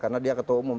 karena dia ketua umum